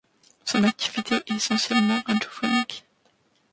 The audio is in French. Son activité est essentiellement radiophonique.